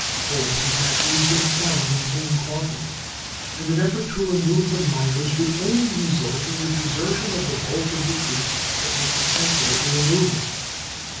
Gold has actually been found in paying quantity, and an effort to remove the miners would only result in the desertion of the bulk of the troops that might be sent there to remove them.